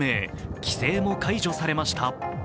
規制も解除されました。